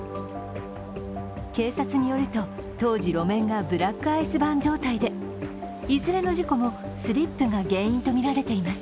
警察によると、当時路面がブラックアイスバーン状態でいずれの事故もスリップが原因とみられています。